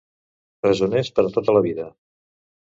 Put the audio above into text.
Presoneres per a tota la vida!